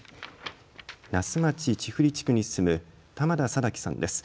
那須町千振地区に住む玉田貞喜さんです。